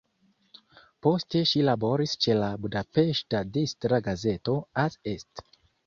Poste ŝi laboris ĉe la budapeŝta distra gazeto "Az Est".